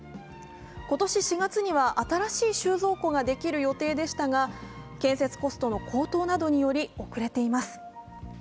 今年４月には新しい収蔵庫ができる予定でしたが建設コストの高騰などにより遅れています。